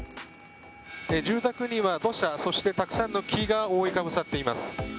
住宅には土砂そしてたくさんの木が覆いかぶさっています。